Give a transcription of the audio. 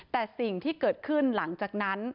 แต่สิ่งที่เกิดขึ้นหลังจากนั้น